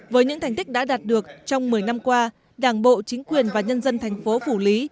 với những thành tích đã đạt được trong một mươi năm qua đảng bộ chính quyền và nhân dân thành phố phủ lý